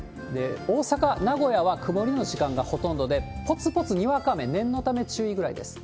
大阪、名古屋は曇りの時間がほとんどで、ぽつぽつにわか雨、念のため注意ぐらいです。